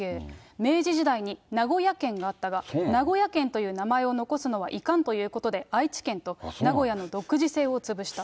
明治時代に名古屋県があったが、名古屋県という名前を残すのはいかんということで、愛知県と、名古屋の独自性を潰した。